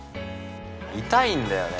痛いんだよね